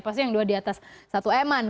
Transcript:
pasti yang dua diatas satu emang